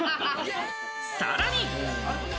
さらに。